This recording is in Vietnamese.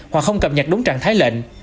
hoặc không cập nhật đúng trạng thái lệnh